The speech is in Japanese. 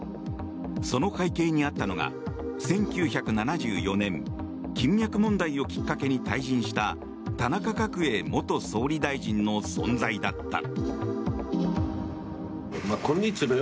その背景にあったのが１９７４年金脈問題をきっかけに退陣した田中角栄元総理大臣の存在だった。